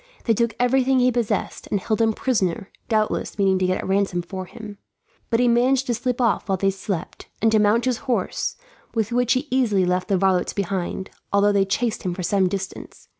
They took everything he possessed, and held him prisoner, doubtless meaning to get a ransom for him; but he managed to slip off while they slept, and to mount his horse, with which he easily left the varlets behind, although they chased him for some distance.